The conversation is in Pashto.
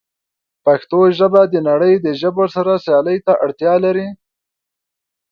پښتو ژبه د نړۍ د ژبو سره سیالۍ ته اړتیا لري.